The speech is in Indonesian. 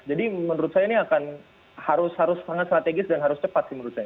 jadi menurut saya ini akan harus sangat strategis dan harus cepat sih menurut saya